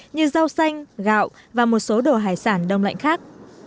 như rau xanh gạo và một số đồ hải sản đông lạnh khác